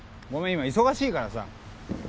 今忙しいからさ。